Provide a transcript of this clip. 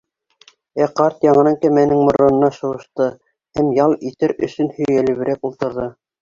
Ә ҡарт яңынан кәмәнең моронона шыуышты һәм ял итер өсөн һөйәлеберәк ултырҙы.